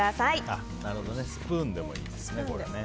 スプーンでもいいですね。